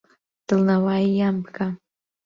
دڵنەوایییان بکە.